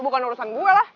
ya bukan urusan gue lah